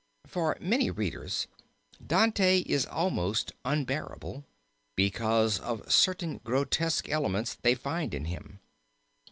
For many readers Dante is almost unbearable, because of certain grotesque elements they find in him.